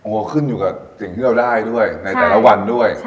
ก็ขึ้นอยู่กับสิ่งที่เราได้ด้วยในแต่ละวันด้วย